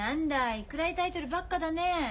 い暗いタイトルばっかだね。